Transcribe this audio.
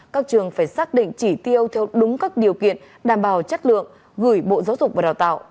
các trường phải xác định chỉ tiêu theo đúng các điều kiện đảm bảo chất lượng gửi bộ giáo dục và đào tạo